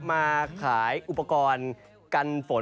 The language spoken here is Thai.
มาขายอุปกรณ์กันฝน